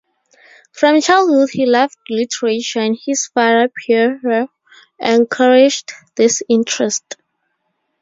From childhood he loved literature, and his father Pierre encouraged this interest.